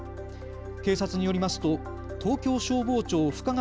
警察によりますと東京消防庁深川